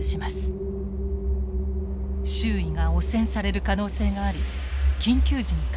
周囲が汚染される可能性があり緊急時に限られています。